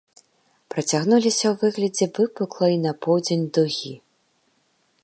Працягнуліся ў выглядзе выпуклай на поўдзень дугі.